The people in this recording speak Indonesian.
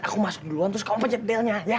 aku masuk duluan terus kamu pencet dialnya ya